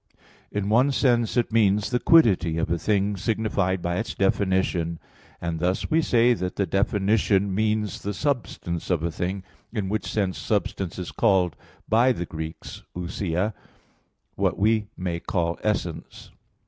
In one sense it means the quiddity of a thing, signified by its definition, and thus we say that the definition means the substance of a thing; in which sense substance is called by the Greeks ousia, what we may call "essence."